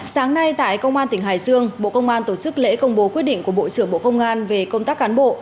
sáng nay tại công an tỉnh hải dương bộ công an tổ chức lễ công bố quyết định của bộ trưởng bộ công an về công tác cán bộ